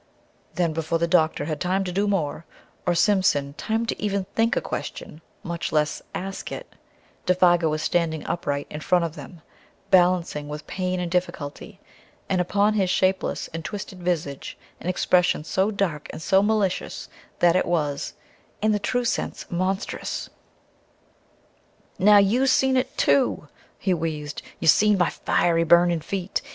Then, before the doctor had time to do more, or Simpson time to even think a question, much less ask it, Défago was standing upright in front of them, balancing with pain and difficulty, and upon his shapeless and twisted visage an expression so dark and so malicious that it was, in the true sense, monstrous. "Now you seen it too," he wheezed, "you seen my fiery, burning feet!